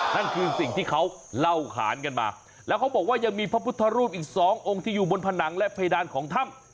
นั่นคือสิ่งที่เขาเล่าขานกันมาแล้วเขาบอกว่ายังมีพระพุทธรูปอีกสององค์ที่อยู่บนผนังและเพดานของถ้ำ